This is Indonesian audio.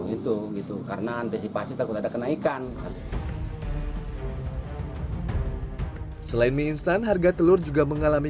itu gitu karena antisipasi takut ada kenaikan selain mie instan harga telur juga mengalami